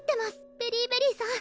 ベリィベリーさん